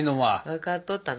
分かっとったな。